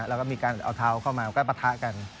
แล้วก็มีการเอาเท้าเข้ามาก็ปะทะกัน